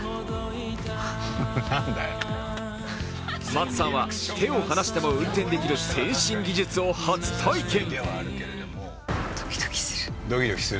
松さんは手を離しても運転できる先進技術を初体験。